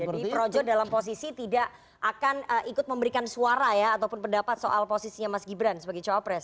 jadi projus dalam posisi tidak akan ikut memberikan suara ya ataupun pendapat soal posisinya mas gibran sebagai cawapres